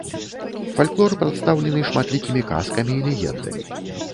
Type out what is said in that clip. Фальклор прадстаўлены шматлікімі казкамі і легендамі.